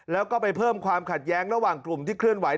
แล้วก็ไปเพิ่มความขัดแย้งระหว่างกลุ่มที่เคลื่อนไห